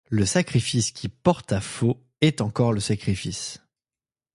Le sacrifice qui porte à faux est encore le sacrifice.